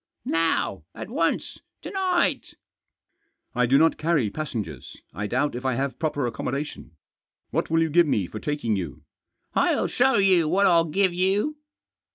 " Now — at once — to night !"" I do not carry passengers. I doubt if I have proper accommodation. What will you give me for taking you ?"" Fll show you what Fll give you."